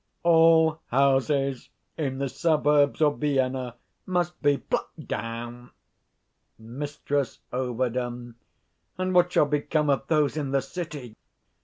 _ All houses in the suburbs of Vienna must be plucked down. Mrs Ov. And what shall become of those in the city?